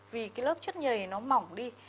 vì cái lớp chất nhầy nó mỏng đi